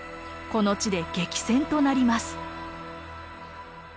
この地で激戦となります。